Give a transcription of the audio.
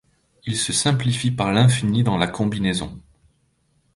Il se simplifie par l’infini dans la combinaison.